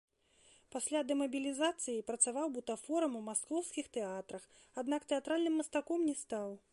Пасля дэмабілізацыі працаваў бутафорам у маскоўскіх тэатрах, аднак тэатральным мастаком не стаў.